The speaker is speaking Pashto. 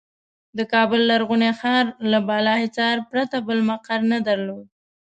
د کابل لرغوني ښار له بالاحصار پرته بل مقر نه درلود.